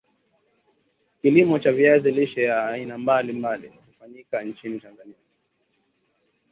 kilimo cha viazi lishe vya aina mbali mbali hufanyika nchini Tanzania